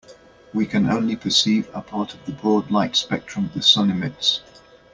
We can only perceive a part of the broad light spectrum the sun emits.